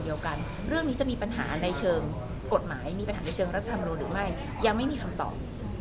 ยังไม่มีคำตอบ